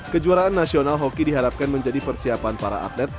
kejuaraan nasional hoki diharapkan menjadi persiapan para atlet